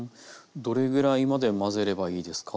どれぐらいまで混ぜればいいですか？